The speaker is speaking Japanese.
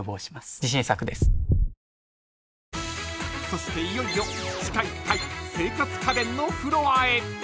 ［そしていよいよ地下１階生活家電のフロアへ］